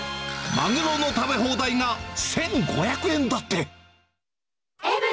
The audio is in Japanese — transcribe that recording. マグロの食べ放題が１５００円だって。